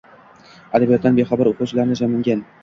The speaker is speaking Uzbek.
Adabiyotdan bexabar o‘quvchilarni jamlagan.